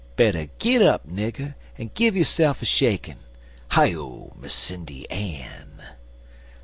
Better git up, nigger, en give yo'se'f a shakin' (Hi O, Miss Sindy Ann!)